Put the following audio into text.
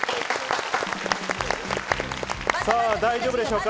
大丈夫でしょうか？